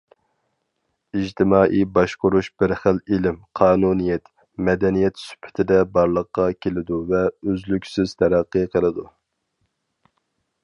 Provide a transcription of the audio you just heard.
ئىجتىمائىي باشقۇرۇش بىر خىل ئىلىم، قانۇنىيەت، مەدەنىيەت سۈپىتىدە بارلىققا كېلىدۇ ۋە ئۆزلۈكسىز تەرەققىي قىلىدۇ.